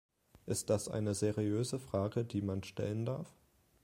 Ist das eine seriöse Frage, die man stellen darf?